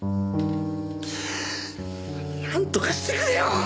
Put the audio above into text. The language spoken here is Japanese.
なんとかしてくれよ！